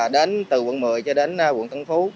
đến từ quận một mươi cho đến quận tân phú